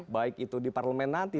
baik itu di parlemen nanti